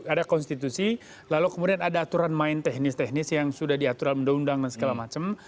ada konstitusi lalu kemudian ada aturan main teknis teknis yang sudah diatur dalam undang undang dan segala macam